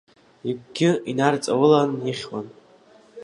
Игәгьы инарҵаулан ихьуан…